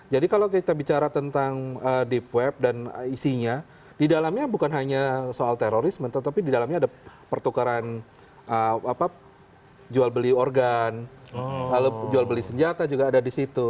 jadi kalau kita bicara tentang deep web dan isinya di dalamnya bukan hanya soal terorisme tetapi di dalamnya ada pertukaran jual beli organ lalu jual beli senjata juga ada di situ